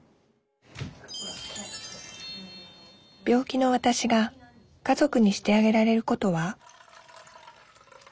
病気のわたしが家族にしてあげられることは？